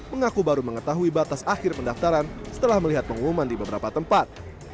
mengaku baru mengetahui batas akhir pendaftaran setelah melihat pengumuman di beberapa tempat